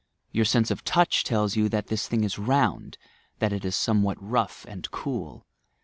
Your sense of touch tells you that this thing is round, that it is somewhat rough and cool.